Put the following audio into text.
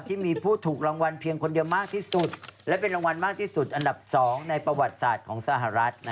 ที่มีผู้ถูกรางวัลเพียงคนเดียวมากที่สุดและเป็นรางวัลมากที่สุดอันดับ๒ในประวัติศาสตร์ของสหรัฐ